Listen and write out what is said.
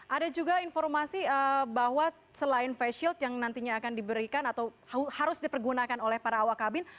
ada juga informasi bahwa selain face shield yang nantinya akan diberikan atau harus dipergunakan oleh para awak kabin